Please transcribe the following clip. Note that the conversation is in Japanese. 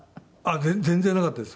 全然なかったです